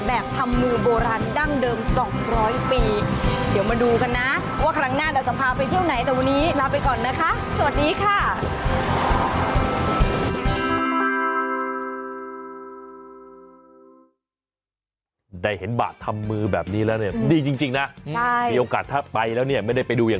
แบบทำมือโบรันดั้งเดิม๒๐๐ปี